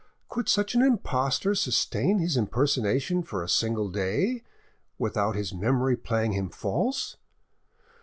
Could such an impostor sustain his impersonation for a single day, without his memory playing him false?